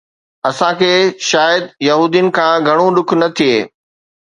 اسان کي شايد يهودين کان گهڻو ڏک نه ٿئي